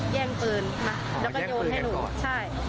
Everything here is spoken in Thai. แย่งปืนมาแล้วก็โยนให้หนูใช่